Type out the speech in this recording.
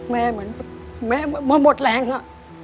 เหมือนแม่มาหมดแรงอะ